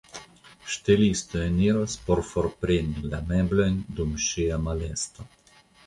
Ŝtelisto eniros por forpreni la meblojn dum ŝia malesto.